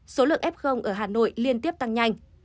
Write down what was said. số lượng f ở hà nội liên tiếp tăng nhanh